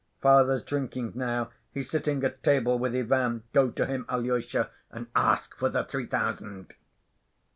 Father's drinking now. He's sitting at table with Ivan. Go to him, Alyosha, and ask for the three thousand."